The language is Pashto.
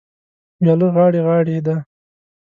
وياله غاړې غاړې ده.